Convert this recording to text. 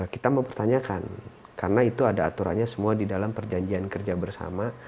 kita mempertanyakan karena itu ada aturannya semua di dalam perjanjian kerja bersama